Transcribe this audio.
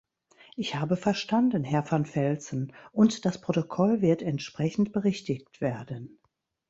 Ich habe verstanden, Herr van Velzen, und das Protokoll wird entsprechend berichtigt werden.